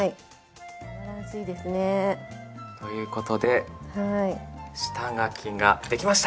バランスいいですね。ということで下描きができました。